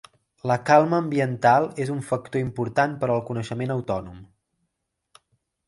La calma ambiental és un factor important per al coneixement autònom.